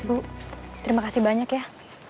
bu terima kasih banyak ya